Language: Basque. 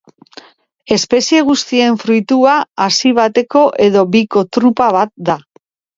Espezie guztien fruitua hazi bateko edo biko drupa bat da.